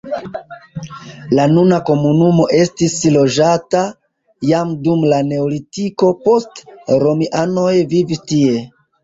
La nuna komunumo estis loĝata jam dum la neolitiko, poste romianoj vivis tie.